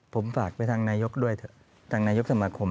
ผมฝากไปทางนายกด้วยเถอะทางนายกสมาคม